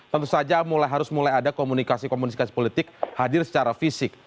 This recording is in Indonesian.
tentu saja harus mulai ada komunikasi komunikasi politik hadir secara fisik